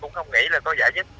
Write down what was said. cũng không nghĩ là có giải nhất